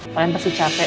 kalian pasti capek